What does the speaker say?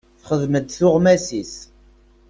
Texdem-d tuɣmas-is.